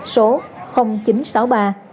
số chín trăm sáu mươi ba tám trăm bảy mươi năm mươi tám